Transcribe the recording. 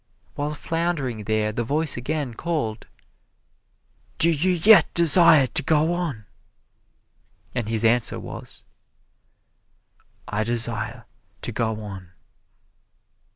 While floundering there the voice again called, "Do you yet desire to go on?" And his answer was, "I desire to go on."